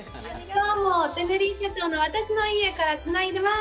どうも、テネリフェ島の私の家からつないでます。